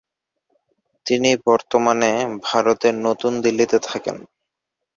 তিনি বর্তমানে ভারতের নতুন দিল্লিতে থাকেন।